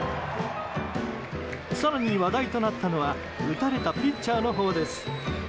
更に話題となったのは打たれたピッチャーのほうです。